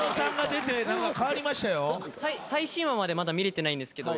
最新話までまだ見れてないんですけど。